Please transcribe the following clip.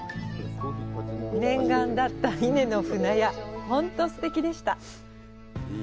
念願だった伊根の舟屋、ホントすてきでした！